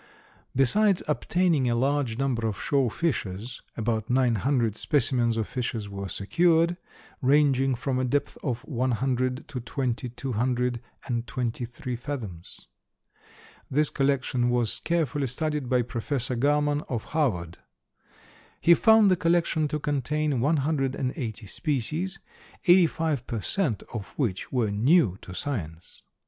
Besides obtaining a large number of shore fishes, about nine hundred specimens of fishes were secured, ranging from a depth of one hundred to twenty two hundred and twenty three fathoms. This collection was carefully studied by Professor Garman, of Harvard. He found the collection to contain one hundred and eighty species, eighty five per cent. of which were new to science.